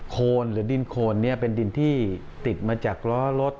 โคนหรือดินโคนเนี่ยเป็นดินที่ติดมาจากล้อรถ